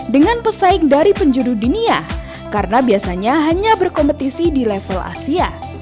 dengan pesaing dari penjuru dunia karena biasanya hanya berkompetisi di level asia